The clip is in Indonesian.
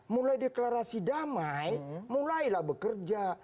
mulai deklarasi damai mulailah bekerja